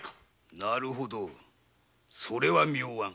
なるほどそれは妙案。